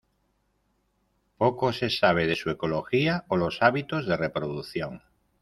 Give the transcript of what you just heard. Poco se sabe de su ecología o los hábitos de reproducción.